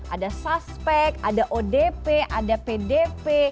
ada suspek ada odp ada pdp